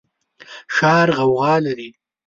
ښار غوغا لري